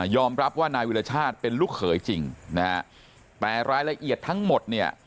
อมรับว่านายวิรชาติเป็นลูกเขยจริงนะฮะแต่รายละเอียดทั้งหมดเนี่ย